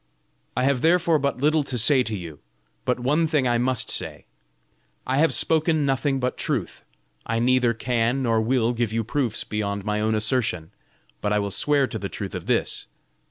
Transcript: I have therefore but little to say to you, but one thing I must say: I have spoken nothing but truth. I neither can nor will give you proofs beyond my own assertion, but I will swear to the truth of this.